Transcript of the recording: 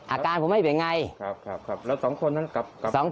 อาการคือไม่เป็นไรแล้ว๒คนหนังอ่ะ